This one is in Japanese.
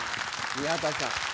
宮田さん。